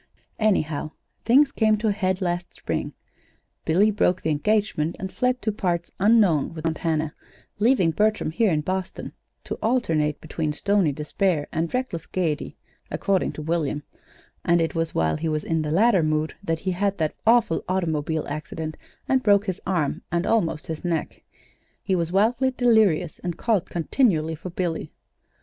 "Anyhow, things came to a head last spring, Billy broke the engagement and fled to parts unknown with Aunt Hannah, leaving Bertram here in Boston to alternate between stony despair and reckless gayety, according to William; and it was while he was in the latter mood that he had that awful automobile accident and broke his arm and almost his neck. He was wildly delirious, and called continually for Billy.